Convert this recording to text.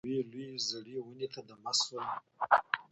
یوې لويی زړې وني ته دمه سول